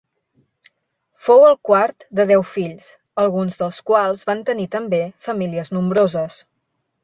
Fou el quart de deu fills, alguns dels quals van tenir també famílies nombroses.